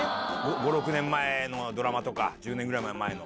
５６年前のドラマとか１０年ぐらい前の。